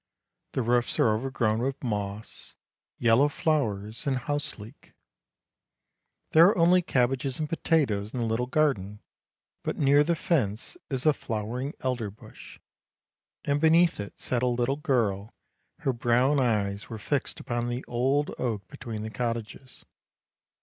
The roofs are overgrown with moss, yellow flowers, and houseleek. There are only cabbages and potatoes in the little garden, but near the fence is a flowering elder bush, and beneath it sat a little girl; her brown eyes were fixed upon the old oak between the cottages.